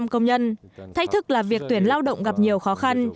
công nhân thay thức là việc tuyển lao động gặp nhiều khó khăn